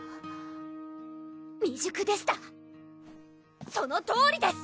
未熟でしたそのとおりです！